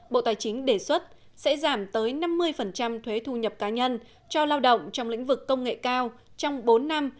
bộ tài chính đề xuất sẽ giảm tới năm mươi thuế thu nhập cá nhân cho lao động trong lĩnh vực công nghệ cao trong bốn năm